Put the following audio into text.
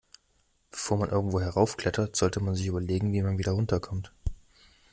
Bevor man irgendwo heraufklettert, sollte man sich überlegen, wie man wieder runter kommt.